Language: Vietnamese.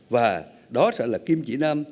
và đó sẽ là kim chỉ nam